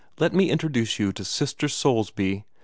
Let me introduce you to Sister Soulsby.